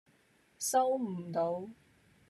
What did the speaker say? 收唔到